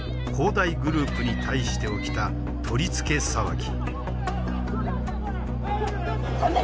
大グループに対して起きた取り付け騒ぎ。